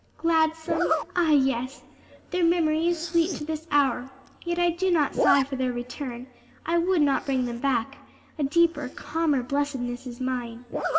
"Gladsome? Ah, yes! their memory is sweet to this hour. Yet I do not sigh for their return; I would not bring them back; a deeper, calmer blessedness is mine.